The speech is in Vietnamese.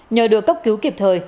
nhờ được cấp cứu kịp thời